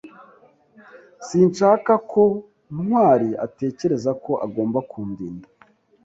Sinshaka ko Ntwali atekereza ko agomba kundinda.